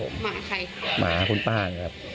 หมาใครหมาคุณป้านะครับ